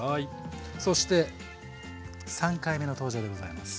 そして３回目の登場でございます。